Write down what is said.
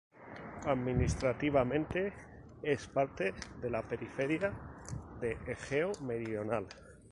Administrativamente, es parte de la Periferia de Egeo Meridional.